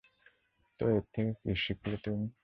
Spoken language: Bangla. তো এর থেকে কি শিখলে তুমি?